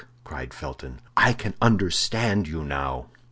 cried Felton, "I can understand you now."